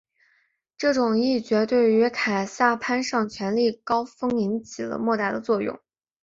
这种议决对于凯撒攀上权力高峰起了莫大的作用。